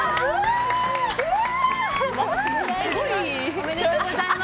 おめでとうございます。